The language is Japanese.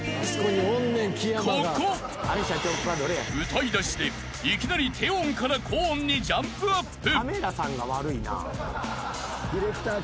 ［歌い出しでいきなり低音から高音にジャンプアップ］